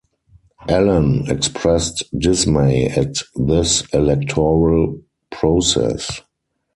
Alain expressed dismay at this electoral process.